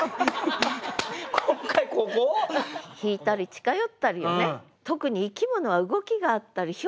今回ここ？引いたり近寄ったりよね。